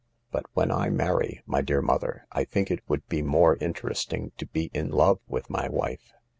"But when I marry my dear mother, I think it would be more interesting to be in love with my wife."